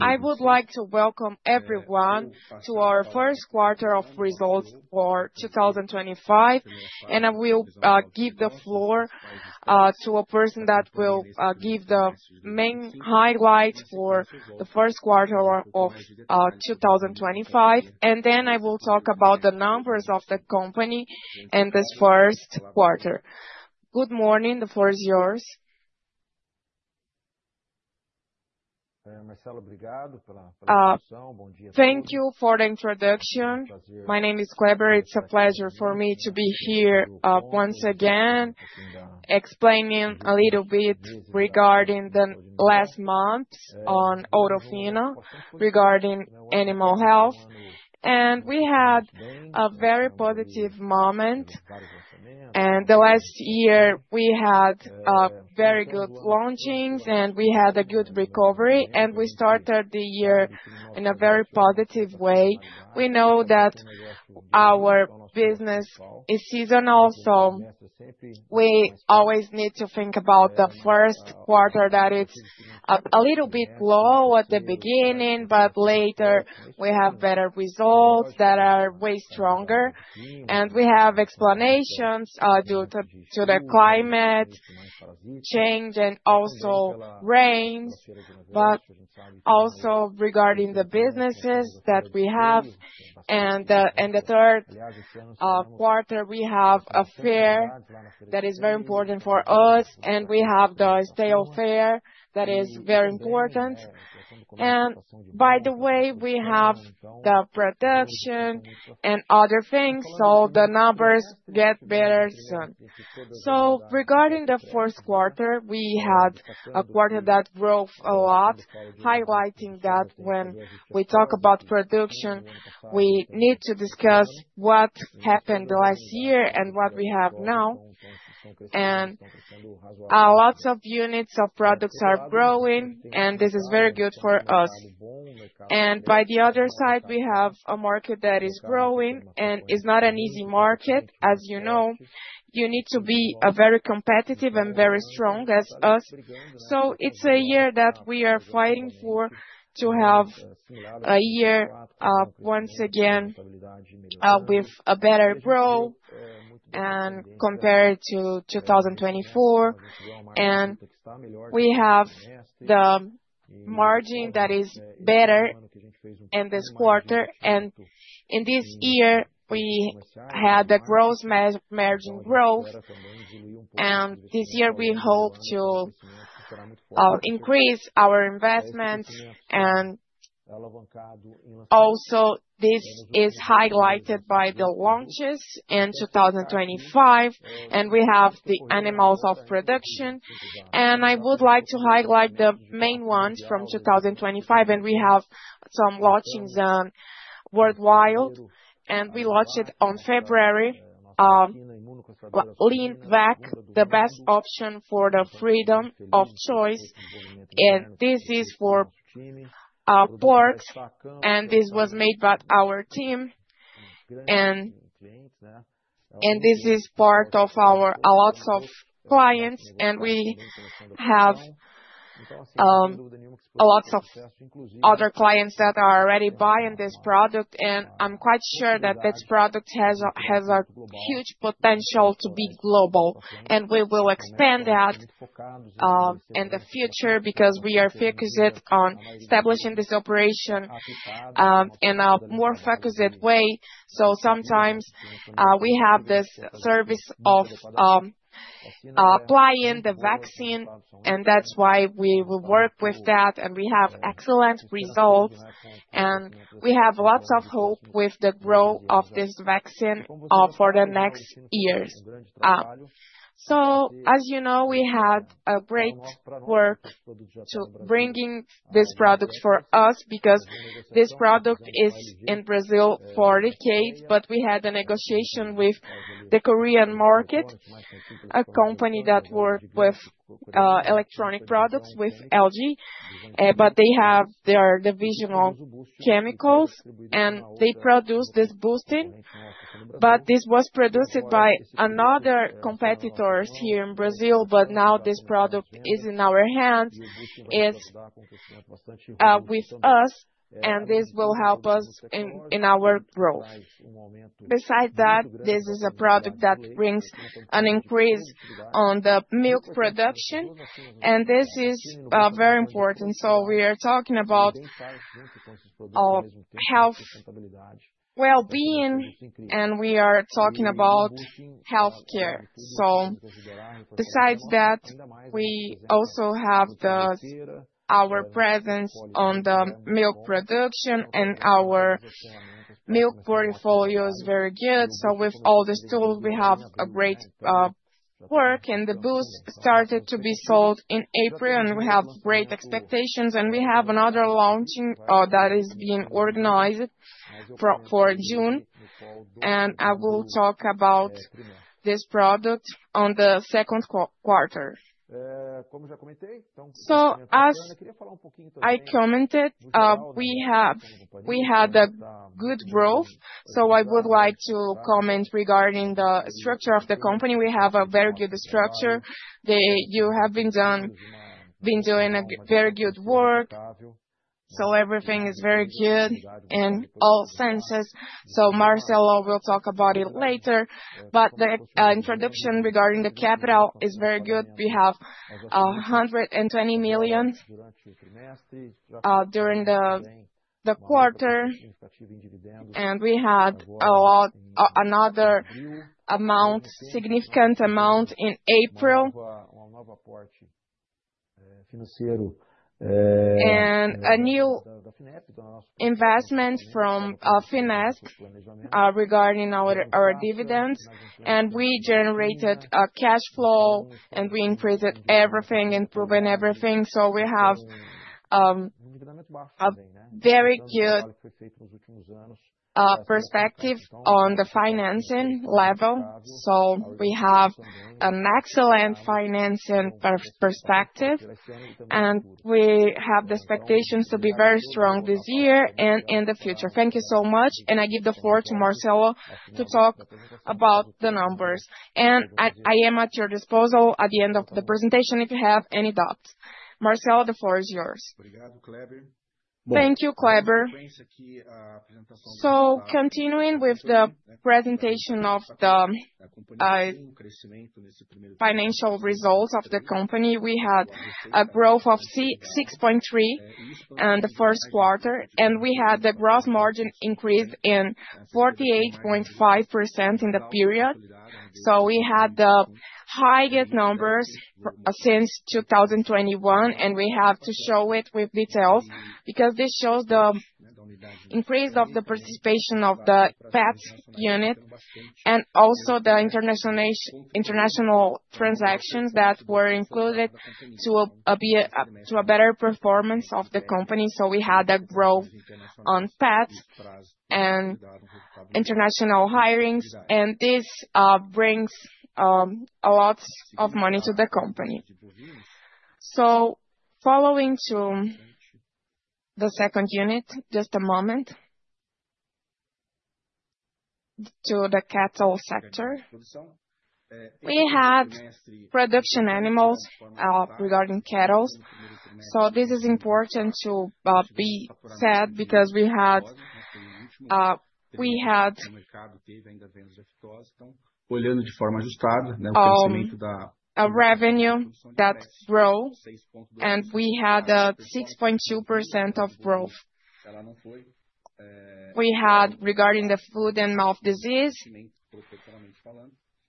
I would like to welcome everyone to our first quarter of results for 2025. I will give the floor to a person that will give the main highlight for the first quarter of 2025. Then I will talk about the numbers of the company in this first quarter. Good morning. The floor is yours. Thank you for the introduction. My name is Kleber. It's a pleasure for me to be here once again explaining a little bit regarding the last months on Ourofino, regarding animal health. We had a very positive moment. The last year, we had very good launchings, and we had a good recovery. We started the year in a very positive way. We know that our business is seasonal, so we always need to think about the first quarter, that it's a little bit low at the beginning. Later, we have better results that are way stronger. We have explanations due to the climate change and also rains. Also regarding the businesses that we have. The third quarter, we have a fair that is very important for us. We have the state fair that is very important. By the way, we have the production and other things. The numbers get better soon. Regarding the first quarter, we had a quarter that grew a lot, highlighting that when we talk about production, we need to discuss what happened the last year and what we have now. Lots of units of products are growing, and this is very good for us. By the other side, we have a market that is growing, and it's not an easy market. As you know, you need to be very competitive and very strong as us. It's a year that we are fighting for to have a year, once again, with a better growth compared to 2024. We have the margin that is better in this quarter. In this year, we had the gross margin growth. This year, we hope to increase our investments. Also, this is highlighted by the launches in 2025. We have the animals of production. I would like to highlight the main ones from 2025. We have some launchings worldwide. We launched it on February, LeanVac, the best option for the freedom of choice. This is for swine, and this was made by our team. This is part of our lots of clients, and we have lots of other clients that are already buying this product. I'm quite sure that this product has a huge potential to be global. We will expand that in the future because we are focused on establishing this operation in a more focused way. Sometimes we have this service of applying the vaccine, and that's why we will work with that. We have excellent results. We have lots of hope with the growth of this vaccine for the next years. As you know, we had a great work to bring this product for us because this product is in Brazil for decades. We had a negotiation with the Korean market, a company that work with electronic products with LG Tech. They have their division of chemicals, and they produce this Boostin. This was produced by another competitor here in Brazil. Now this product is in our hands, is with us, and this will help us in our growth. Besides that, this is a product that brings an increase on the milk production, and this is very important. We are talking about health, well-being, and we are talking about healthcare. Besides that, we also have our presence on the milk production and our milk portfolio is very good. With all these tools, we have a great work, and the Boostin started to be sold in April, and we have great expectations. We have another launching that is being organized for June. I will talk about this product on the second quarter. As I commented, we had good growth. I would like to comment regarding the structure of the company. We have a very good structure. You have been doing very good work. Everything is very good in all senses. Marcelo will talk about it later, but the introduction regarding the capital is very good. We have 120 million during the quarter, and we had another significant amount in April. A new investment from Finep regarding our dividends, and we generated a cash flow, and we improved everything. We have a very good perspective on the financing level. We have an excellent financing perspective, and we have the expectations to be very strong this year and in the future. Thank you so much. I give the floor to Marcelo to talk about the numbers. I am at your disposal at the end of the presentation if you have any doubts. Marcelo, the floor is yours. Thank you, Kleber. Continuing with the presentation of the financial results of the company. We had a growth of 6.3% in the first quarter, and we had the gross margin increase in 48.5% in the period. We had the highest numbers since 2021, and we have to show it with details, because this shows the increase of the participation of the pet unit and also the international transactions that were included to a better performance of the company. We had a growth on pet and international hirings. This brings a lot of money to the company. Following to the second unit, just a moment. To the cattle sector. We had production animals regarding cattle. This is important to be said, because we had a revenue that grew, and we had a 6.2% of growth. We had, regarding the foot-and-mouth disease,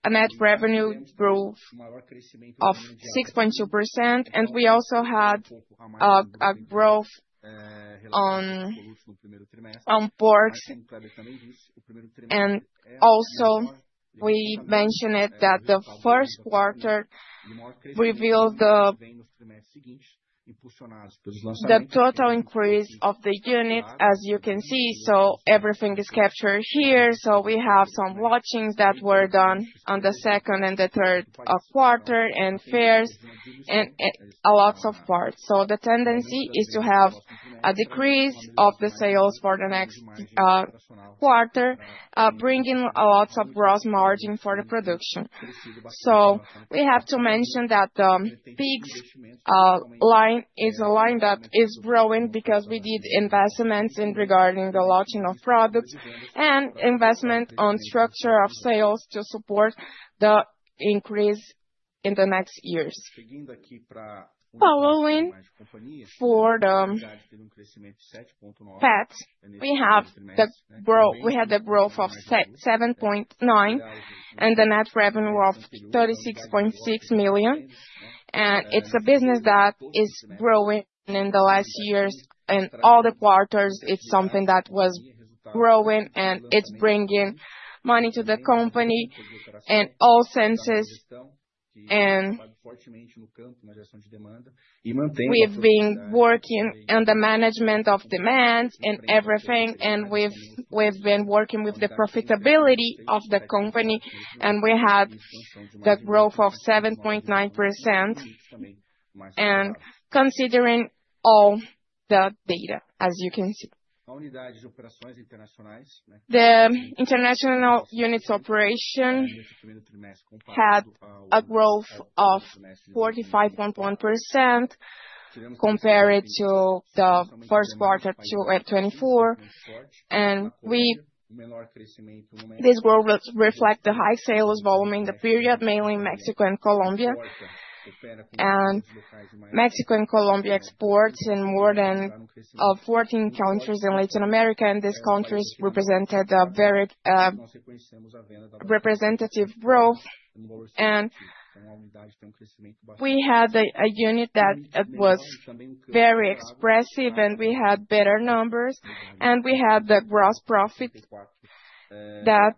a net revenue growth of 6.2%, and we also had a growth on pork. Also, we mentioned it that the first quarter revealed the total increase of the unit, as you can see. Everything is captured here. We have some launchings that were done on the second and the third quarter, and fairs, and a lot of parts. The tendency is to have a decrease of the sales for the next quarter, bringing a lot of gross margin for the production. We have to mention that the pigs line is a line that is growing, because we did investments regarding the launching of products and investment on structure of sales to support the increase in the next years. Following for the pets. We had the growth of 7.9% and the net revenue of 36.6 million. It's a business that is growing in the last years and all the quarters, it's something that was growing and it's bringing money to the company in all senses. We've been working on the management of demand and everything, and we've been working with the profitability of the company. We had the growth of 7.9%, considering all the data, as you can see. The international unit's operation had a growth of 45.1% compared to the first quarter 2024. This growth reflect the high sales volume in the period, mainly in Mexico and Colombia. Mexico and Colombia export in more than 14 countries in Latin America, and these countries represented a very representative growth. We had a unit that was very expressive, and we had better numbers, and we had the gross profit that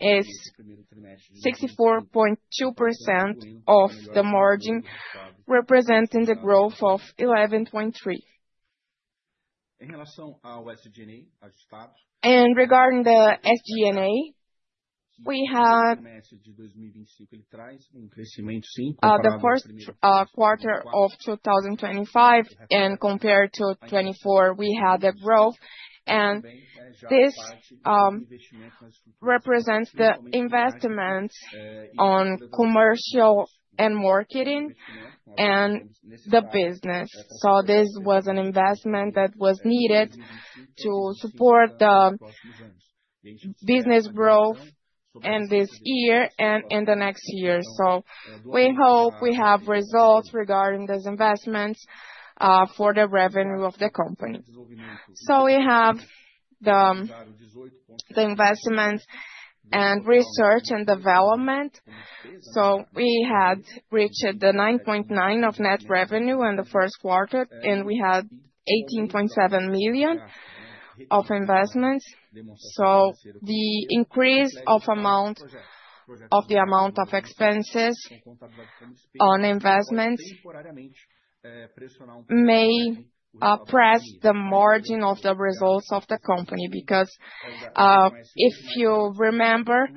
is 64.2% of the margin, representing the growth of 11.3%. Regarding the SG&A We have the first quarter of 2025, compared to 2024, we had a growth. This represents the investments on commercial and marketing and the business. This was an investment that was needed to support the business growth in this year and in the next year. We hope we have results regarding these investments, for the revenue of the company. We have the investments and research and development. We had reached the 9.9% of net revenue in the first quarter, and we had 18.7 million of investments. The increase of the amount of expenses on investments may oppress the margin of the results of the company. Because, if you remember,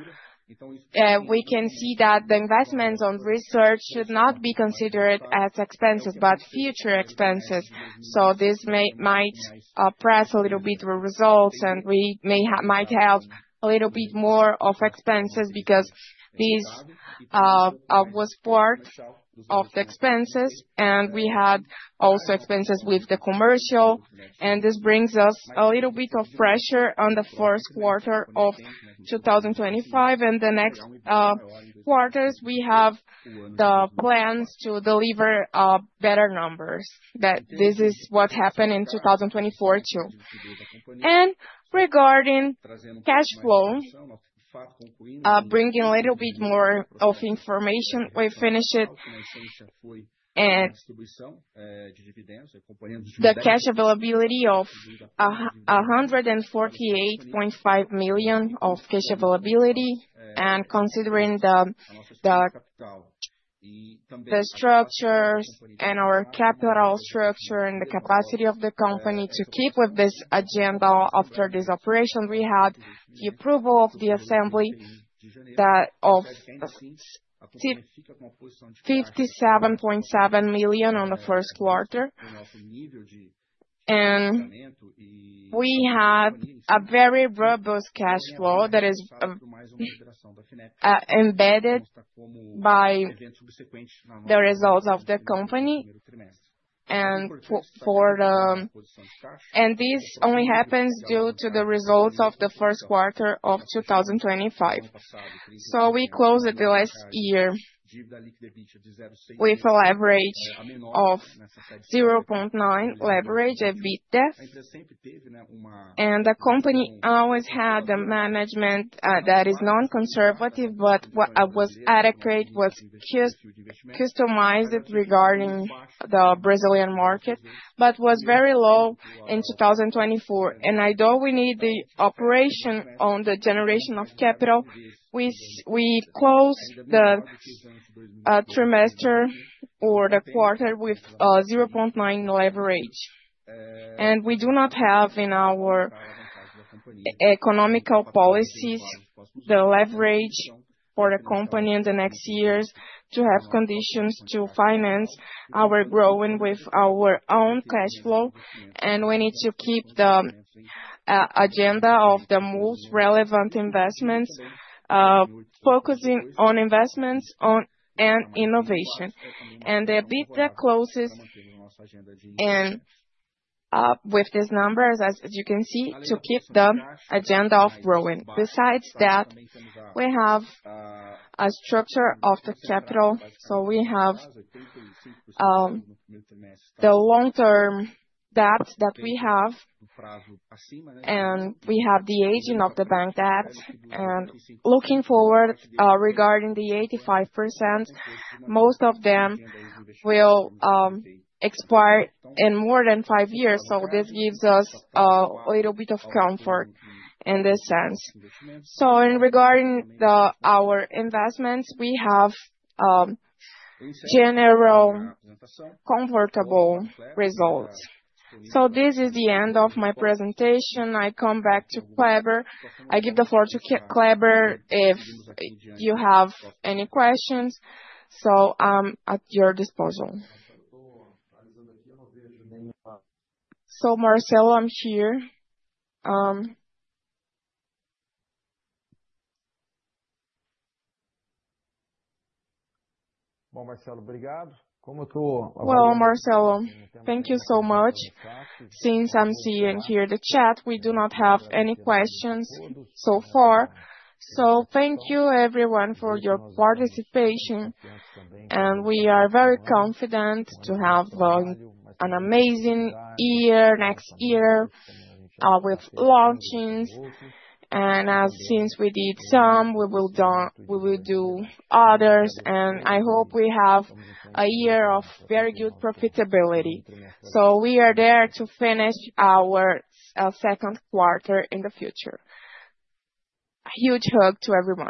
we can see that the investments on research should not be considered as expenses, but future expenses. This might oppress a little bit of results, and we might have a little bit more of expenses because this was part of the expenses, and we had also expenses with the commercial. This brings us a little bit of pressure on the first quarter of 2025 and the next quarters. We have the plans to deliver better numbers, that this is what happened in 2024, too. Regarding cash flow, bringing a little bit more of information, we finished the cash availability of 148.5 million of cash availability, considering the structures and our capital structure and the capacity of the company to keep with this agenda after this operation, we had the approval of the assembly of 57.7 million in the first quarter. We have a very robust cash flow that is embedded by the results of the company. This only happens due to the results of the first quarter of 2025. We closed the last year with a leverage of 0.9x leverage EBITDA. The company always had the management that is non-conservative, but what was adequate was customized regarding the Brazilian market, but was very low in 2024. Although we need the operation on the generation of capital, we closed the trimester or the quarter with 0.9x leverage. We do not have in our economical policies the leverage for the company in the next years to have conditions to finance our growing with our own cash flow. We need to keep the agenda of the most relevant investments, focusing on investments and innovation. EBITDA closes and, with these numbers, as you can see, to keep the agenda of growing. Besides that, we have a structure of the capital. We have the long-term debt that we have, and we have the aging of the bank debt. Looking forward, regarding the 85%, most of them will expire in more than five years, this gives us a little bit of comfort in this sense. Regarding our investments, we have general comfortable results. This is the end of my presentation. I come back to Kleber. I give the floor to Kleber if you have any questions. At your disposal. Marcelo, I'm here. Marcelo, thank you so much. Since I'm seeing here the chat, we do not have any questions so far. Thank you everyone for your participation, and we are very confident to have an amazing year next year, with launches. Since we did some, we will do others, and I hope we have a year of very good profitability. We are there to finish our second quarter in the future. Huge hug to everyone.